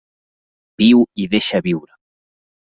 Viu i deixa viure.